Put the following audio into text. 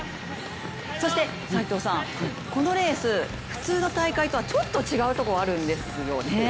そして、このレース普通の大会とはちょっと違うところがあるんですよね。